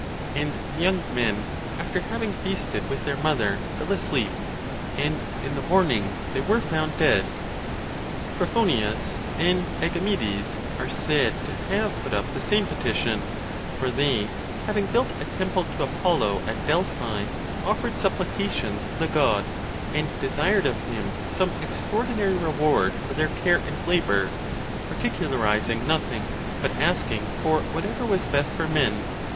And the young men, after having feasted with their mother, fell asleep; and in the morning they were found dead. © Tro phonius and Agamedes are said to have put up the same petition, for they, having built a temple to Apollo at Del phi, offered supplications to the God, and desired of him some extraordinary reward for their care and labor, par ticularizing nothing, but asking for whatever was best for men.